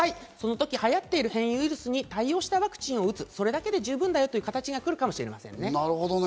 １年に１回その時、流行っている変異ウイルスに対応したワクチンを打つ、それだけで十分だよという形が来るかもしれません。